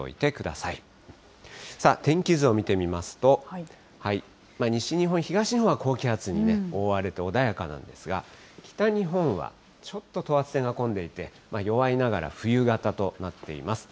さあ天気図を見てみますと、西日本、東日本は高気圧に覆われて穏やかなんですが、北日本はちょっと等圧線が混んでいて、弱いながら冬型となっています。